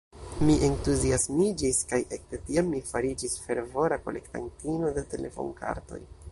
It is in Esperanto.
Mi entuziasmiĝis kaj ekde tiam mi fariĝis fervora kolektantino de telefonkartoj.